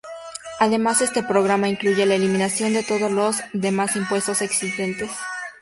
Además este programa incluye la eliminación de todos los demás impuestos existentes.